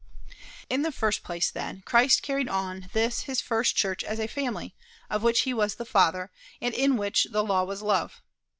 In the first place, then, Christ carried on this his first church as a family, of which he was the father, and in which the law was love.